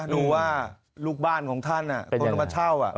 ดูว่าลูกบ้านของท่านคนก็มาเช่า